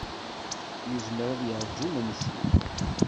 Yezmer ad yaṛǧu imensi.